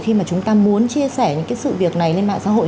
khi mà chúng ta muốn chia sẻ những cái sự việc này lên mạng xã hội